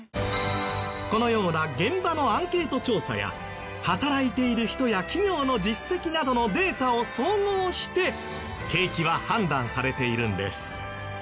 このような現場のアンケート調査や働いてる人や企業の実績などのデータを総合して景気は判断されているんです。